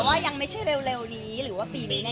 ว่ายังไม่ใช่เร็วนี้หรือว่าปีนี้แน่